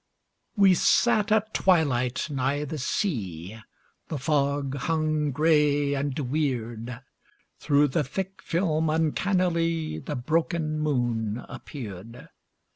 We sat at twilight nigh the sea, The fog hung gray and weird. Through the thick film uncannily The broken moon appeared.